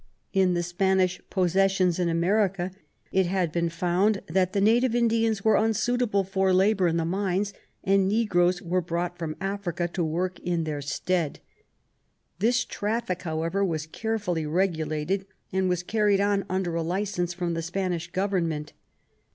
In the Spanish possessions in America it had been found that the native Indians were unsuited for labour in* the mines, and negroes were brought from Africa to work in their stead. This traffic, however, was carefully regulated and was carried on under a licence from the Spanish Government.